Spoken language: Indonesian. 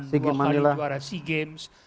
dua kali juara sea games